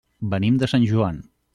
Venim de Sant Joan.